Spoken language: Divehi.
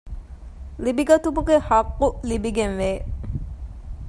ލިބިގަތުމުގެ ޙައްޤު ލިބިގެންވޭ